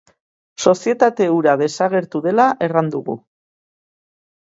Sozietate hura desagertu dela erran dugu.